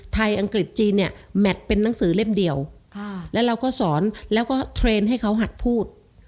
อังกฤษจีนเนี่ยแมทเป็นหนังสือเล่มเดียวแล้วเราก็สอนแล้วก็เทรนด์ให้เขาหัดพูด